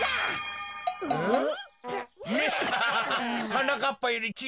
はなかっぱよりちぃ